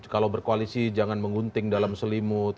kalau berkoalisi jangan mengunting dalam selimut